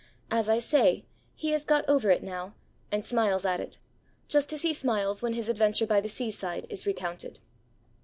As I say, he has got over it now, and smiles at it, just as he smiles when his adventure by the seaside is recounted.